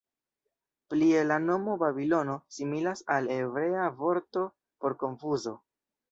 Plie la nomo "Babilono" similas al hebrea vorto por "konfuzo".